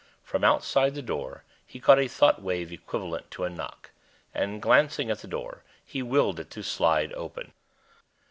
From outside the door he caught a thought wave equivalent to a knock, and, glancing at the door, he willed it to slide open.